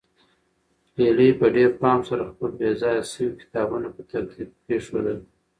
هیلې په ډېر پام سره خپل بې ځایه شوي کتابونه په ترتیب کېښودل.